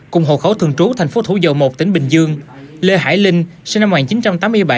cùng hồ khấu thường trú tp thủ dầu một tỉnh bình dương lê hải linh sinh năm một nghìn chín trăm tám mươi bảy